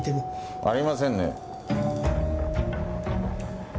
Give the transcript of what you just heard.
ありませんね。